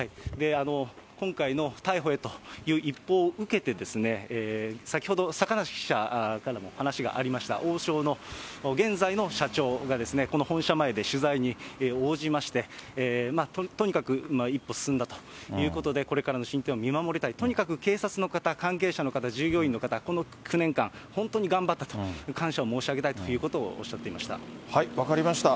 今回の逮捕へという一報を受けて、先ほど坂梨記者からも話がありました、王将の現在の社長が、この本社前で取材に応じまして、とにかく一歩進んだということで、これからの進展を見守りたい、とにかく警察の方、関係者の方、従業員の方、この９年間、本当に頑張ったと、感謝を申し上げたいということをおっしゃって分かりました。